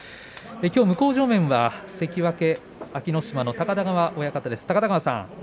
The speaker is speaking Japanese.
向正面は元関脇安芸乃島の高田川親方です。